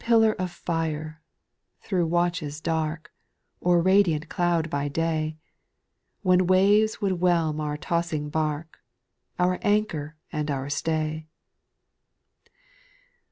3. Pillar of fire ! through watches dark ; Or radiant cloud by day ! When waves would whelm our tossing bark Our anchor and our stay.